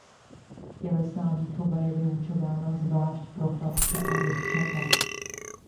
Tělesná výchova je vyučována zvlášť pro chlapce a děvčata.